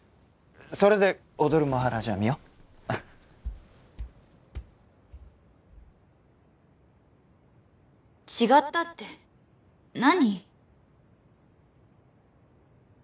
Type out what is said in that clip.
それで「踊るマハラジャ」見よ違ったって何？